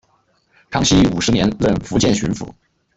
康熙五十年任福建巡抚。